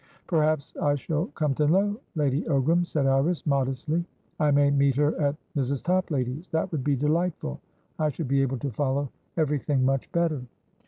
"Perhaps I shall come to know Lady Ogram," said Iris, modestly. "I may meet her at Mrs. Toplady's. That would be delightful! I should be able to follow everything much better."